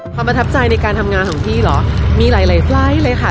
ความประทับใจในการทำงานของพี่หรอมีหลายไฟล์สเลยค่ะ